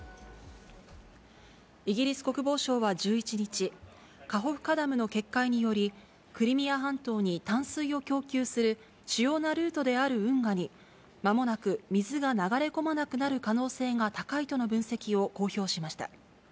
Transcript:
イギリス国防省は１１日、カホフカダムの決壊により、クリミア半島に淡水を供給する主要なルートである運河にまもなく水が流れ込まなくなる可能性が高いとの分析を公表しました。